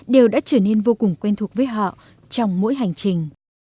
đều đã trở nên vô cùng quen thuộc với họ trong mỗi hành trình